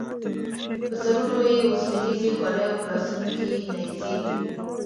په سرونو یې اوسپنیزې خولۍ او په لاسونو کې یې نیزې وې.